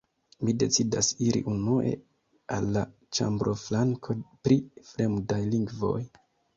Mi decidas iri unue al la ĉambroflanko pri fremdaj lingvoj.